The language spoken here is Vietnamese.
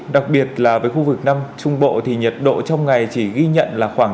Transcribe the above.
đặc biệt là với khu vực nam trung bộ thì nhiệt độ trong ngày chỉ ghi nhận là khoảng